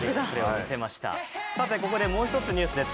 さてここでもう一つニュースです。